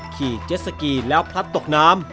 ขี่เจ็ดสกีแล้วพลัดตกน้ำ